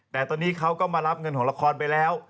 แต่ตอนนี้เขาก็มารับเงินของละครไปแล้ว